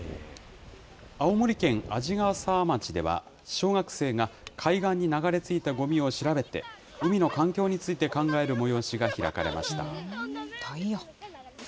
青森県鰺ヶ沢町では、小学生が海岸に流れ着いたごみを調べて、海の環境について考える催しが開かれました。